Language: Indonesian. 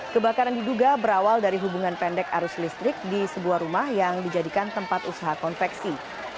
kebakaran diduga berawal dari hubungan pendek arus listrik di sebuah rumah yang dijadikan tempat usaha konveksi